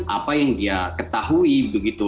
apa yang dia ketahui begitu